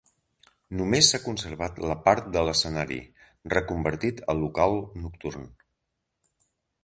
Només s'ha conservat la part de l'escenari, reconvertit a local nocturn.